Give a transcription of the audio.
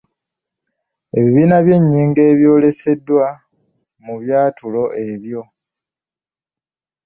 Ebibiina by’ennyingo ebyoleseddwa mu byatulo ebyo.